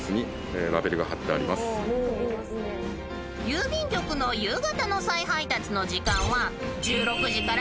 ［郵便局の夕方の再配達の時間は］